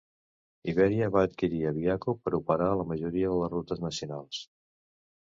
Iberia va adquirir Aviaco per operar la majoria de les rutes nacionals.